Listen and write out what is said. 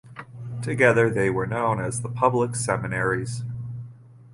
Together they were known as the public Seminaries.